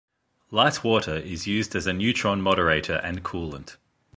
Light water is used as a neutron moderator and coolant.